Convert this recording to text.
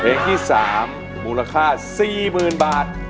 เพลงที่๓มูลค่า๔๐๐๐บาท